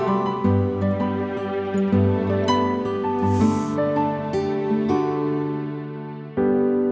aku mau ke sana